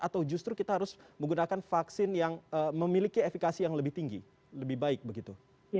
atau justru kita harus menggunakan vaksin yang memiliki efekasi yang lebih tinggi lebih baik begitu